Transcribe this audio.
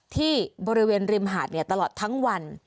ที่บริเวณริมหาดตลอดทั้งวัน